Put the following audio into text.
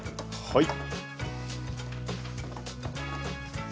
はい。